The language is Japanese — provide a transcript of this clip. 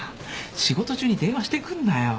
仕事中に電話してくんなよ。